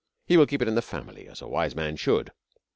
He will keep it in the family as a wise man should.